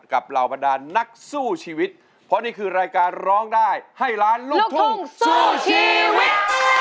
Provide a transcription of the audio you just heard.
เหล่าบรรดานนักสู้ชีวิตเพราะนี่คือรายการร้องได้ให้ล้านลูกทุ่งสู้ชีวิต